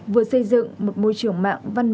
vừa xây dựng một môi trường mạng văn minh lảnh mạnh